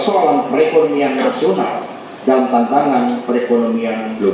satu mempiliansikan tokoh tokoh autrekry atau adegan agar bitcoin silver